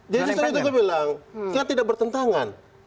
justru itu saya bilang kan tidak bertentangan